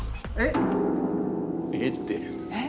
「えっ！」